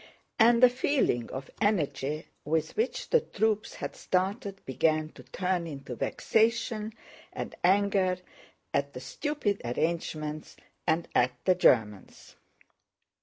And the feeling of energy with which the troops had started began to turn into vexation and anger at the stupid arrangements and at the Germans.